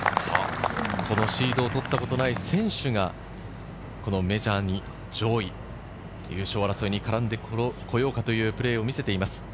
シードを取ったことのない選手がメジャーに、上位、優勝争いに絡んでこようかというプレーを見せています。